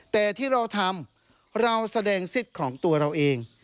แต่ที่เราทำเราแสดงสิทธิ์ของตัวเราเอง